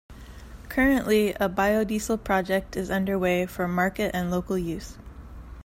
Currently, a BioDiesel project is under way for market and local use.